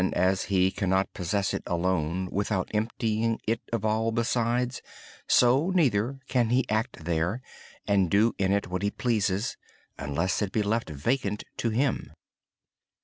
As He cannot possess it alone, without emptying it of all besides, so neither can He act there and do in it what He pleases unless it be left vacant to Him.